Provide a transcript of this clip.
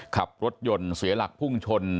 ขับรถยนต์เสียหลักพุ่งชน